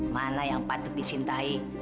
mana yang patut disintai